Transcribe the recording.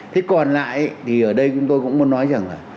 thì còn lại thì ở đây tôi cũng muốn nói rằng là